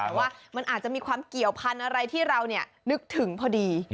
แต่ว่ามันอาจจะมีความเกี่ยวพันธุ์อะไรที่เรานึกถึงพอดี